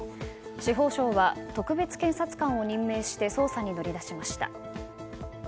司法省は特別検察官を任命して捜査に乗り出しました。